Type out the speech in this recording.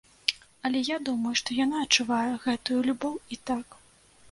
Але я думаю, што яна адчувае гэтую любоў і так.